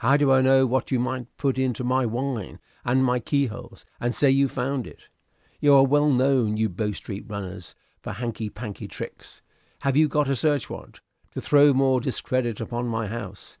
"How do I know what you might put into my wine and my keyholes, and say you found it? You are well known, you Bow Street runners, for your hanky panky tricks. Have you got a search warrant, to throw more discredit upon my house?